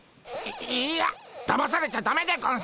いいやだまされちゃだめでゴンス。